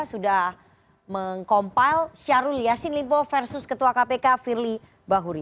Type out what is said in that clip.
sudah mengkompil syahrul yassin limpo versus ketua kpk firly bahuri